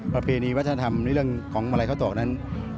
ประเพณีวัฒนธรรมในเรื่องของมาลัยข้าวตกนั้น